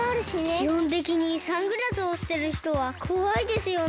きほんてきにサングラスをしてる人はこわいですよね。